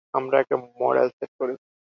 আমরা একটা model set করছি!